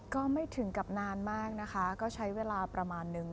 ก็ไม่ถึงกับนานมากนะคะก็ใช้เวลาประมาณนึง